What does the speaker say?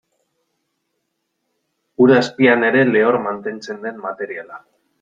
Ur azpian ere lehor mantentzen den materiala.